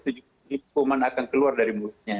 itu juga hukuman akan keluar dari mulutnya